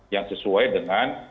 yang sesuai dengan